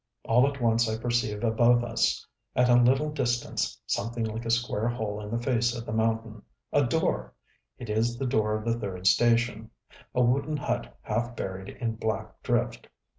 All at once I perceive above us, at a little distance, something like a square hole in the face of the mountain, a door! It is the door of the third station, a wooden hut half buried in black drift....